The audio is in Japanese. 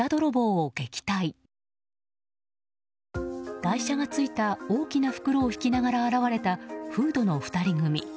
台車がついた大きな袋を引きながら現れたフードの２人組。